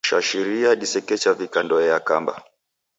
Shashiria disekecha vika ndoe yakamba.